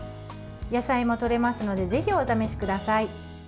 野菜もとれますのでぜひお試しください。